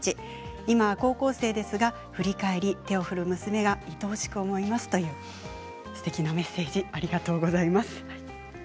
今、高校生ですが振り返り手を振る娘がいとおしく思えますというすてきなメッセージありがとうございました。